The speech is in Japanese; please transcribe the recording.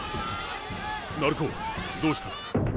鳴子どうした？